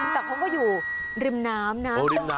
แต่เขาก็อยู่ริมน้ำนะ